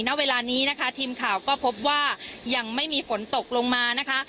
ณเวลานี้นะคะทีมข่าวก็พบว่ายังไม่มีฝนตกลงมานะคะ